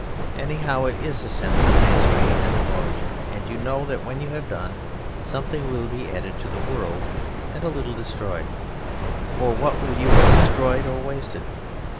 Anyhow, it is a sense of mastery and of origin, and you know that when you have done, something will be added to the world, and little destroyed. For what will you have destroyed or wasted?